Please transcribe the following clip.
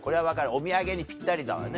お土産にぴったりだわね。